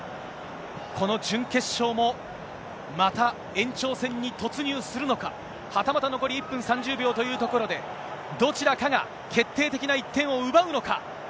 この準決勝も、また延長戦に突入するのか、はたまた残り１分３０秒というところで、どちらかが決定的な１点を奪うのか。